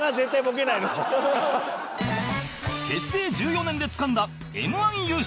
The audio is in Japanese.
結成１４年でつかんだ Ｍ−１ 優勝